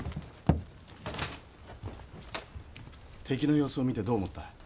敵の様子を見てどう思った？